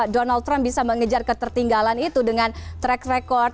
donald trump bisa mengejar ketertinggalan itu dengan track record